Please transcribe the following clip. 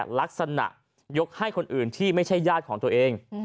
ลักษณะยกให้คนอื่นที่ไม่ใช่ญาติของตัวเอง